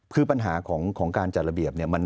คือปัญหาของการจัดระเบียบเนี่ย